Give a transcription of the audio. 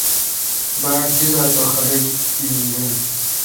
با ڑ دی زات اہ خلق این رن۔